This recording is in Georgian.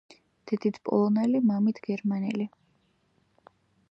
დედით პოლონელი, მამით გერმანელი.